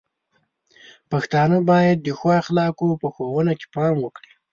پښتانه بايد د ښو اخلاقو په ښوونه کې پام وکړي.